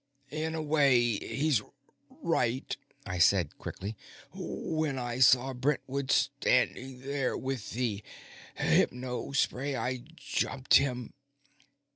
"In a way, he's right," I said quickly. "When I saw Brentwood standing there with the hypospray, I jumped him."